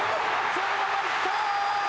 そのまま行った！